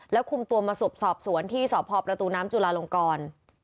แล้วคุมตัวมาสอบสวนที่สพประตูน้ำจุลาลงกร